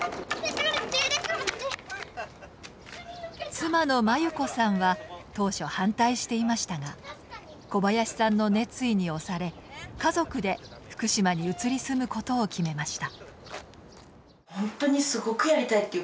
妻の真由子さんは当初反対していましたが小林さんの熱意に押され家族で福島に移り住むことを決めました。